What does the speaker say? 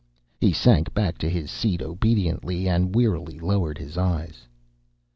He sank back to his seat obediently, and wearily lowered his eyes.